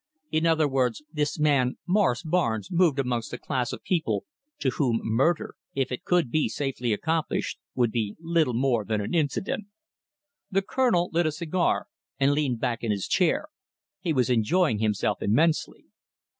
In other words, this man Morris Barnes moved amongst a class of people to whom murder, if it could be safely accomplished, would be little more than an incident." The Colonel lit a cigar and leaned back in his chair. He was enjoying himself immensely.